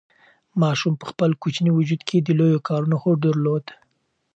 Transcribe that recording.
ماشوم په خپل کوچني وجود کې د لویو کارونو هوډ درلود.